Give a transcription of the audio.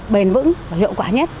bền vững và hiệu quả nhất